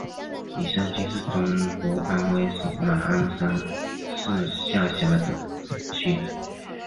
雨山区是中国安徽省马鞍山市下辖的区。